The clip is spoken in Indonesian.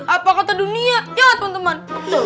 apa kata dunia ya teman teman